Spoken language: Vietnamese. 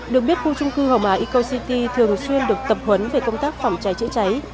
được biết khu trung cư hồng hà ico city thường xuyên được tập huấn về công tác phòng cháy chữa cháy